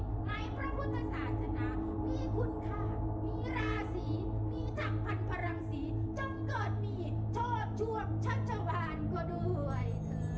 จำกัดมีโทษช่วงชะชะพานก็ด้วย